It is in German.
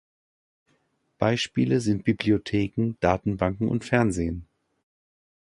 Beispiele sind Bibliotheken, Datenbanken und Fernsehen.